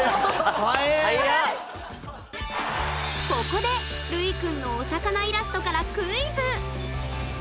ここでるいくんのお魚イラストからクイズ！